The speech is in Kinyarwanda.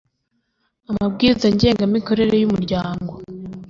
amabwiriza ngengamikorere y umuryango